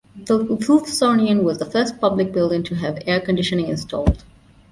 The Wolfsonian was the first public building to have air conditioning installed.